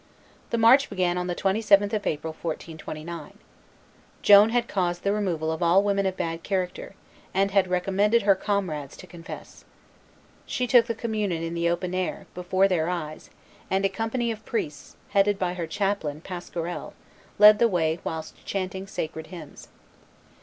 The march began on the 27th of April, 1429. Joan had caused the removal of all women of bad character, and had recommended her comrades to confess. She took the communion in the open air, before their eyes; and a company of priests, headed by her chaplain, Pasquerel, led the way whilst chanting sacred hymns.